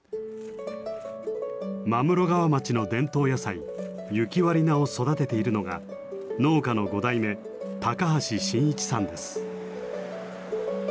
真室川町の伝統野菜「雪割菜」を育てているのが農家の５代目高橋伸一さんです。